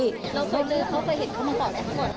แล้วเคยเห็นเขามาก่อน